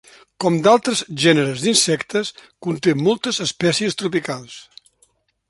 Com d'altres gèneres d'insectes, conté moltes espècies tropicals.